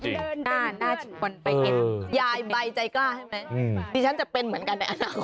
ใจกล้าชื่อคนไปเองยายใบใจกล้าที่ฉันจะเป็นเหมือนกันในอนาคต